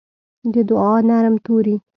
د دوعا نرم توري